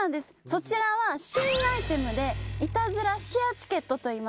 そちらは新アイテムでイタズラシェアチケットといいます。